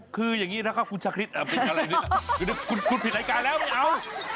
คืออย่างนี้นะครับคุณชาคริสเป็นอะไรนิดคุณผิดรายการแล้วไม่เอา